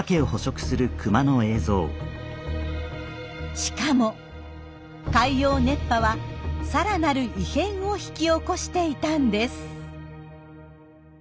しかも海洋熱波はさらなる異変を引き起こしていたんです。